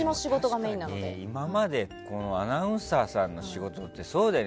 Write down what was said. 確かに今までアナウンサーさんの仕事ってそうだよね。